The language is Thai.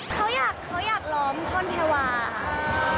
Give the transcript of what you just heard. เขาอยากล้อมพรแพวาค่ะ